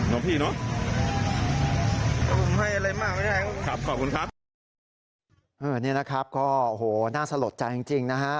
นี่นะครับก็โหน่าสะหรดจังจริงนะฮะ